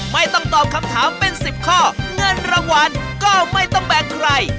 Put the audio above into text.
ไม่ต้องตอบคำถามเป็น๑๐ข้อเงินรางวัลก็ไม่ต้องแบ่งใคร